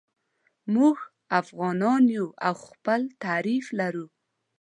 موږ افغانان یو او خپل تعریف لرو.